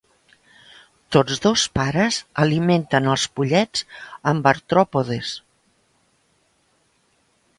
Tots dos pares alimenten els pollets amb artròpodes.